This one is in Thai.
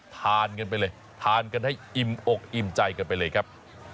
ทานกันไปเลยทานกันให้อิ่มอกอิ่มใจกันไปเลยครับ